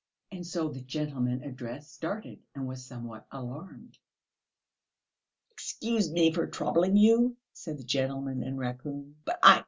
And so the gentleman addressed started and was somewhat alarmed. "Excuse me for troubling you," said the gentleman in raccoon, "but I